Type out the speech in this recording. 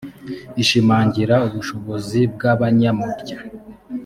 ishimangira ubushobozi bw abanyamurya